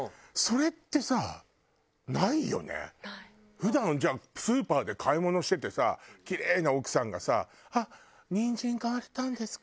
普段じゃあスーパーで買い物しててさキレイな奥さんがさ「あっニンジン買われたんですか？」